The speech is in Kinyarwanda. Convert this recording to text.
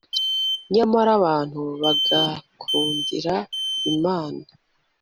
nyamara abantu bagandukira imana